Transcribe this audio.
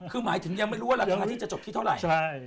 คือหมายถึงยังไม่รู้ว่าราคาที่จะจบที่เท่าไหร่